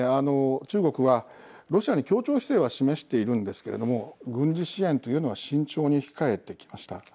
中国はロシアに協調姿勢は示しているんですけれども軍事支援というのは慎重に控えてきました。